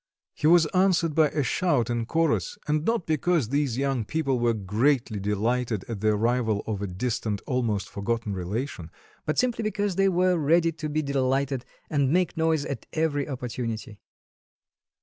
He was answered by a shout in chorus and not because these young people were greatly delighted at the arrival of a distant, almost forgotten relation, but simply because they were ready to be delighted and make noise at every opportunity.